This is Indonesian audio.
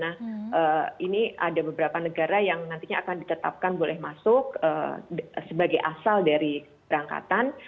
nah ini ada beberapa negara yang nantinya akan ditetapkan boleh masuk sebagai asal dari berangkatan